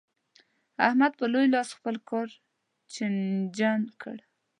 احمد په لوی لاس خپل کار چينجن کړ.